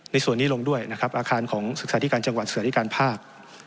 ส่วนนี้ลงด้วยนะครับอาคารของศึกษาธิการจังหวัดศึกษาธิการภาค